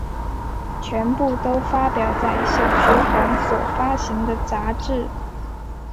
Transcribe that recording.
全部都发表在小学馆所发行的杂志。